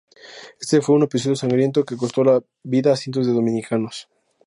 Este fue un episodio sangriento que costó la vida a cientos de dominicanos.